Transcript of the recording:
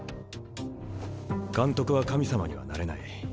監督は神様にはなれない。